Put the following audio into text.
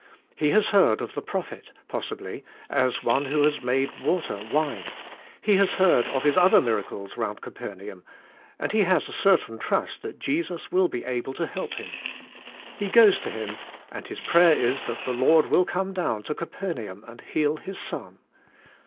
He has heard of the Prophet, possibly, as one who has made water wine; he has heard of His other miracles round Capernaum, and he 148 TRIUMPH OF FAITH has a certain trust that Jesus will be able to help him. He goes to Him, and his prayer is that the Lord will come down to Capernaum and heal his son.